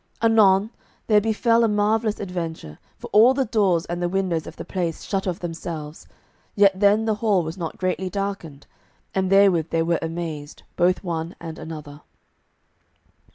Anon there befell a marvellous adventure, for all the doors and the windows of the place shut of themselves, yet then the hall was not greatly darkened, and therewith they were amazed, both one and other.